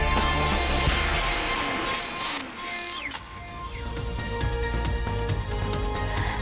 สวัสดีค่ะคุณผู้ชมค่ะสิ่งที่คาดว่าอาจจะเกิดขึ้นแล้วนะคะ